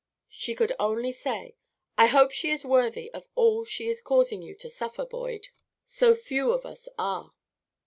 She could only say: "I hope she is worthy of all she is causing you to suffer, Boyd, so few of us are."